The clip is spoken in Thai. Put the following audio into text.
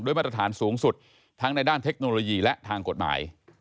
มาตรฐานสูงสุดทั้งในด้านเทคโนโลยีและทางกฎหมาย